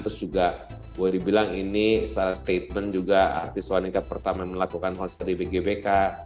terus juga boleh dibilang ini setelah statement juga artis wanita pertama yang melakukan konser di bgbk